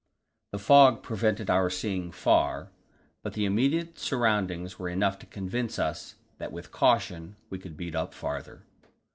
The fog prevented our seeing far, but the immediate surroundings were enough to convince us that with caution we could beat up farther.